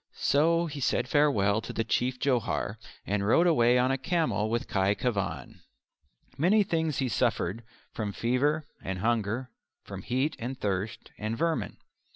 So he said farewell to the Chief Johar, and rode away on a camel with Khy Khevan. Many things he suffered from fever and hunger, from heat and thirst, and vermin.